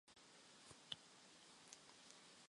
中国铁路工程集团的前身是铁道部基本建设总局。